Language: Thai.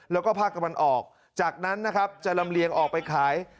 แล้วก็ภาคตะวันออกจากนั้นนะครับจะลำเลียงออกไปขาย